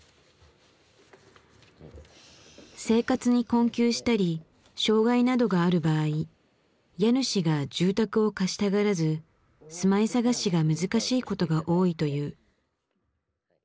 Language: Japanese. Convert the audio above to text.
生活に困窮したり障害などがある場合家主が住宅を貸したがらず住まい探しが難しいことが多いという。